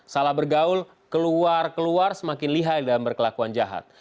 salah bergaul keluar keluar semakin lihai dan berkelakuan jahat